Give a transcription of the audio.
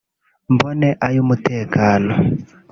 mbone ay’umutekano